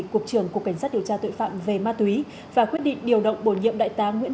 cục trưởng cục cảnh sát điều tra tội phạm về ma túy và quyết định điều động bổ nhiệm đại tá nguyễn